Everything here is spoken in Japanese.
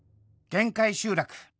「限界集落」。